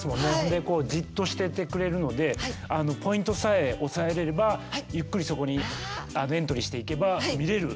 でこうじっとしててくれるのでポイントさえ押さえれればゆっくりそこにエントリーしていけば見れる。